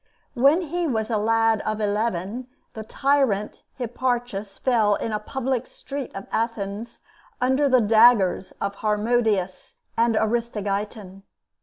When he was a lad of eleven, the tyrant Hipparchus fell in a public street of Athens under the daggers of Harmodius and Aristogeiton.